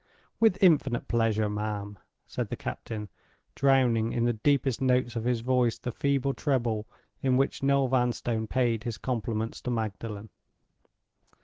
"With infinite pleasure, ma'am," said the captain, drowning in the deepest notes of his voice the feeble treble in which Noel Vanstone paid his compliments to Magdalen.